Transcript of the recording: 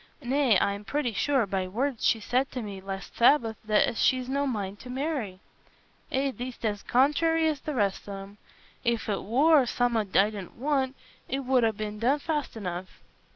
Nay, I'm pretty sure, by words she said to me last Sabbath, as she's no mind to marry." "Eh, thee't as contrairy as the rest on 'em. If it war summat I didna want, it 'ud be done fast enough."